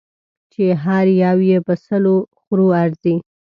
چې هر یو یې په سلو خرو ارزي.